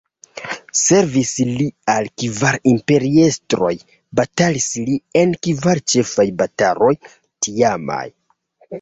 Servis li al kvar imperiestroj, batalis li en kvar ĉefaj bataloj tiamaj.